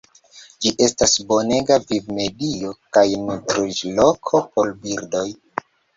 Ĝi estas bonega vivmedio kaj nutriĝloko por birdoj.